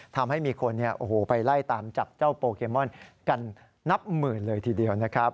ทำให้มีคนไปไล่ตามจับเจ้าโปเกมอนกันนับหมื่นเลยทีเดียวนะครับ